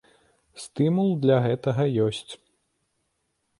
Стымул для гэтага ёсць!